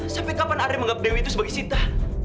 sampai kapan andre menganggap dewi itu sebagai sita